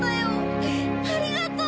ありがとう！